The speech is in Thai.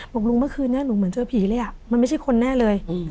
บอกลุงเมื่อคืนนี้หนูเหมือนเจอผีเลยมันไม่ใช่คนแน่เลย